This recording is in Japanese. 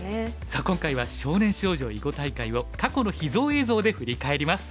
さあ今回は少年少女囲碁大会を過去の秘蔵映像で振り返ります。